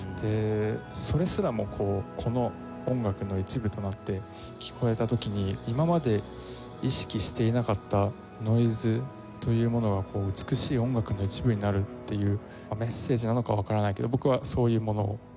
それすらもこうこの音楽の一部となって聞こえた時に今まで意識していなかったノイズというものが美しい音楽の一部になるっていうメッセージなのかわからないけど僕はそういうものを感じます。